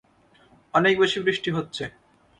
অনেক বেশি বৃষ্টি হচ্ছে।